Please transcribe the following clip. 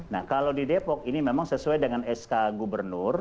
nah kalau di depok ini memang sesuai dengan sk gubernur